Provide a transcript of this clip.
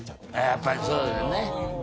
やっぱりそうですよね。